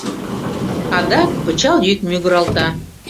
Адак пычал йӱк мӱгыралта.